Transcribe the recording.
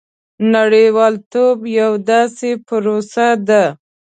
• نړیوالتوب یوه داسې پروسه ده.